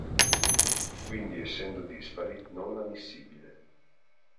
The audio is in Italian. Quindi essendo dispari non ammissibile.